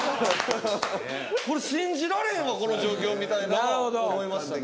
信じられへんわこの状況みたいなんを思いましたね。